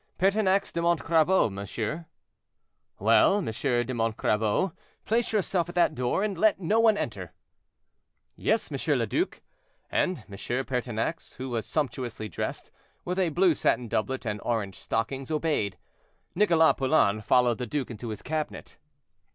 "Pertinax de Montcrabeau, monsieur." "Well, M. de Montcrabeau, place yourself at that door, and let no one enter." "Yes, M. le Duc;" and M. Pertinax, who was sumptuously dressed, with a blue satin doublet and orange stockings, obeyed. Nicholas Poulain followed the duke into his cabinet.